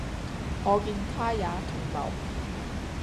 可見他也同謀，